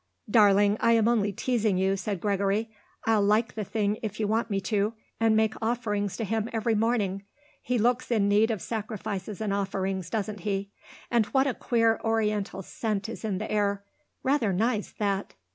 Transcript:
"Darling I'm only teasing you," said Gregory. "I'll like the thing if you want me to, and make offerings to him every morning he looks in need of sacrifices and offerings, doesn't he? And what a queer Oriental scent is in the air. Rather nice, that."